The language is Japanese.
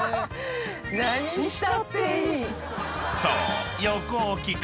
［そう］